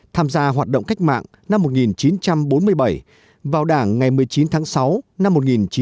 tham gia hoạt động cách mạng năm một nghìn chín trăm bốn mươi bảy vào đảng ngày một mươi chín tháng sáu năm một nghìn chín trăm bốn mươi năm